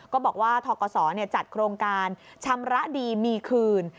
ก็บอกว่าทกศจัดโครงการชำระดีมีคืน